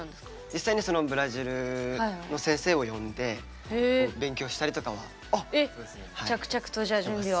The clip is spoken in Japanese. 実際にそのブラジルの先生を呼んで勉強したりとかはしてます。